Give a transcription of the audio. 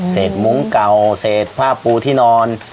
มุ้งเก่าเศษผ้าปูที่นอน